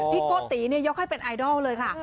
พี่โกติยก็ค่อยเป็นไอดอลเลยค่ะ